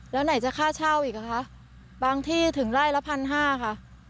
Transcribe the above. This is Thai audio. แล้วไหนจะค่าเช่าอีกคะบางที่ถึงไล่ละ๑๕๐๐บาทค่ะ